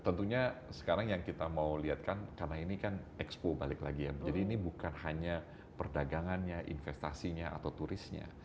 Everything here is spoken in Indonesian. tentunya sekarang yang kita mau lihatkan karena ini kan expo balik lagi ya jadi ini bukan hanya perdagangannya investasinya atau turisnya